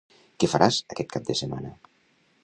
Què faràs aquest cap de setmana?